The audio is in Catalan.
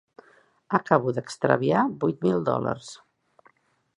Acabo d'extraviar vuit mil dòlars.